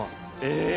え！